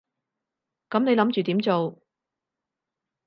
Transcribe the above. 噉你諗住點做？